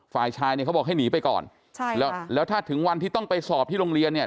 ฝ่ายชายเนี่ยเขาบอกให้หนีไปก่อนใช่แล้วแล้วถ้าถึงวันที่ต้องไปสอบที่โรงเรียนเนี่ย